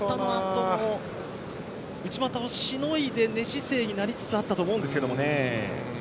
内股をしのいで寝姿勢になりつつだったと思うんですけれどもね。